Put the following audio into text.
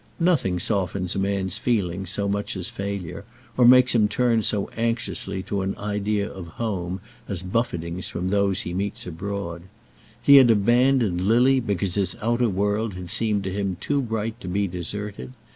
Nothing softens a man's feelings so much as failure, or makes him turn so anxiously to an idea of home as buffetings from those he meets abroad. He had abandoned Lily because his outer world had seemed to him too bright to be deserted.